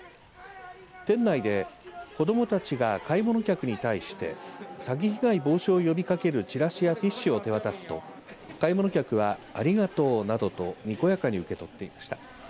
店内で子どもたちが買い物客に対して詐欺被害防止を呼びかけるちらしやティッシュを手渡すと買い物客は、ありがとうなどとにこやかに受け取っていました。